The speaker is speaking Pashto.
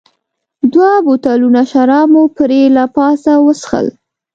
دوه بوتلونه شراب مو پرې له پاسه وڅښل.